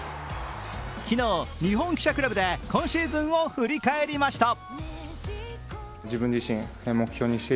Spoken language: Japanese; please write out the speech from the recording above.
昨日、日本記者クラブで今シーズンを振り返りました。